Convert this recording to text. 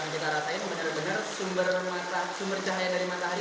kita ratain benar benar sumber cahaya dari matahari